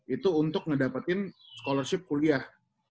itu untuk ngedapetin scholarship kuliah